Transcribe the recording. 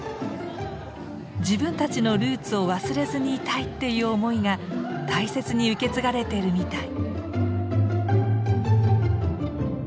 自分たちのルーツを忘れずにいたいっていう思いが大切に受け継がれてるみたい。